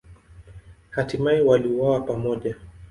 Hatimaye waliuawa pamoja.